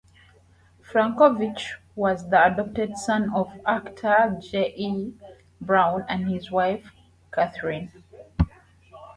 Frankovich was the adopted son of actor Joe E. Brown and his wife, Kathryn.